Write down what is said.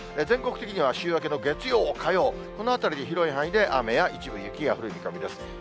全国的には週明けの月曜、火曜、関東の広い範囲で雨や、一部雪が降る見込みです。